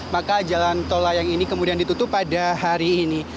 maka jalan tol layang ini kemudian ditutup pada hari ini